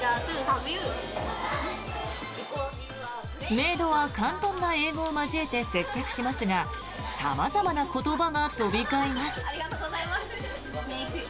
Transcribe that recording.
メイドは簡単な英語を交えて接客しますが様々な言葉が飛び交います。